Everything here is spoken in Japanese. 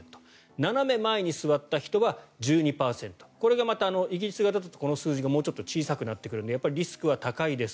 斜め前に座った人は１２％これがまたイギリス型だとこの数字が小さくなってくるのでやっぱりリスクは高いです。